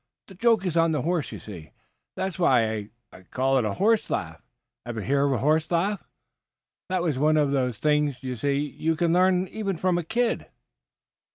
The joke is on the horse, you see. That's why I called it a horse laugh. Ever hear of a horse laugh? That was one of those things. You see, you can learn even from a kid."